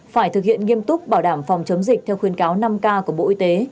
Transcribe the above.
phải thực hiện nghiêm túc bảo đảm phòng chấm dịch theo khuyên cáo năm k của bộ y tế